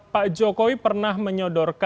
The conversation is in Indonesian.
pak jokowi pernah menyodor